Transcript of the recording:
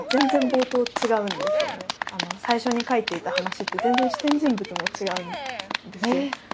最初に書いていた話って全然視点人物も違うんですよ。